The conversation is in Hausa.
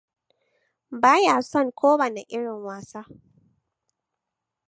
Ba ya son ko wanne irin wasa.